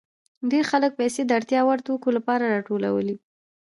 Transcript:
ډېر خلک پیسې د اړتیا وړ توکو لپاره راټولوي